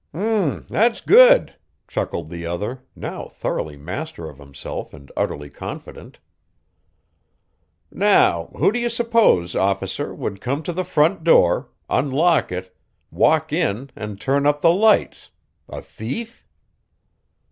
"H'm, that's good," chuckled the other, now thoroughly master of himself and utterly confident. "Now, who do you suppose, Officer, would come to the front door unlock it walk in and turn up the lights? a thief?"